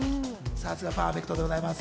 さすがパーフェクトでございます！